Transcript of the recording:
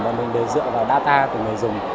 bọn mình đều dựa vào data của người dùng